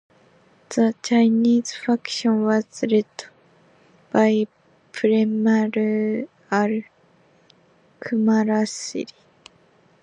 The Chinese faction was led by Premalal Kumarasiri.